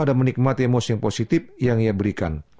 dan menikmati emosi yang positif yang ia berikan